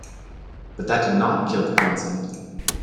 But that did not kill the concept.